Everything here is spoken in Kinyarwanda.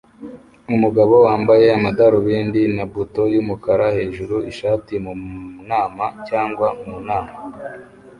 Umugabo wambaye amadarubindi na buto yumukara hejuru ishati mu nama cyangwa mu nama